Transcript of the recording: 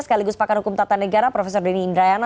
sekaligus pakar hukum tata negara prof denny indrayana